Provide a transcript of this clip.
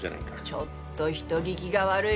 ちょっと人聞きが悪い！